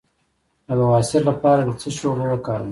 د بواسیر لپاره د څه شي اوبه وکاروم؟